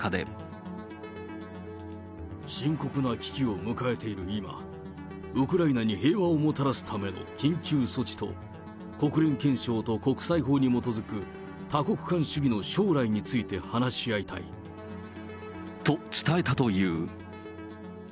深刻な危機を迎えている今、ウクライナに平和をもたらすための緊急措置と、国連憲章と国際法に基づく、多国間主義の将来について話し合いたい。と、伝えたという。